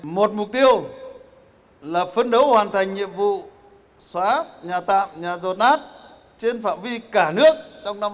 một mục tiêu là phân đấu hoàn thành nhiệm vụ xóa nhà tạm nhà rột nát trên phạm vi cả nước trong năm hai nghìn một mươi năm